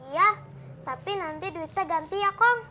iya tapi nanti duitnya ganti ya kom